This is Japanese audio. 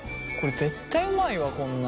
絶対うまいわこんなん。